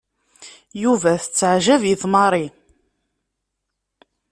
Yuba tettaɛǧab-it Mary.